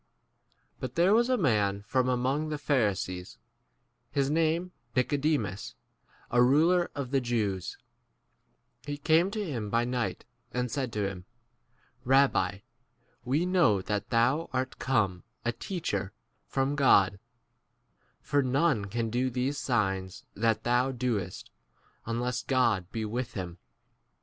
But there was a man from among the Pharisees, his name Nicodemus, a ruler of the Jews ; 2 he came to him° by night, and said to him, Eabbi, we know that thou art come a teacher from God, for none can do these signs that thou* doest unless God be 3 with him.